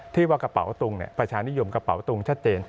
ที่ว่ากระเป๋าตุงประชานิยมกระเป๋าตุงชัดเจน